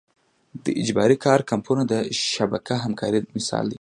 د اجباري کار کمپونه د شبکه همکارۍ مثال دی.